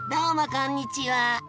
こんにちは。